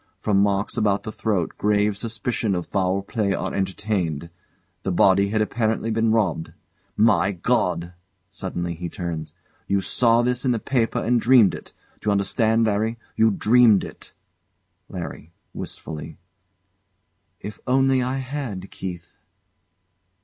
From marks about the throat grave suspicion of foul play are entertained. The body had apparently been robbed." My God! [Suddenly he turns] You saw this in the paper and dreamed it. D'you understand, Larry? you dreamed it. LARRY. [Wistfully] If only I had, Keith!